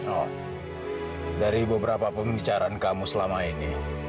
oh dari beberapa pembicaraan kamu selama ini